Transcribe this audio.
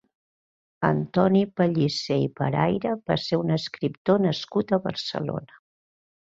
Antoni Pellicer i Paraire va ser un escriptor nascut a Barcelona.